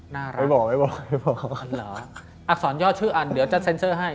หรออักษรย่อชื่ออันเดี๋ยวจะเซ็นเซอร์ให้